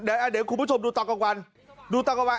เดี๋ยวอะเดี๋ยวคุณผู้ชมดูต่อกังวัลดูต่อกังวัล